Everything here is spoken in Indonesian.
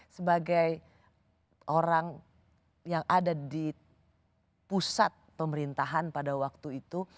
sebagai orang yang ada di pusat pemerintahan pada waktu itu